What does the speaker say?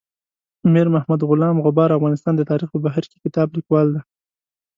میر محمد غلام غبار افغانستان د تاریخ په بهیر کې کتاب لیکوال دی.